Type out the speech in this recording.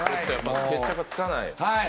決着がつかない。